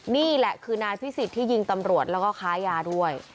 นี่แหละคือนายพิสิทธิ์ที่ยิงตำรวจแล้วก็ค้ายาด้วย